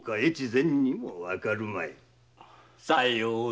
さようで。